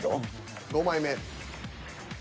５枚目。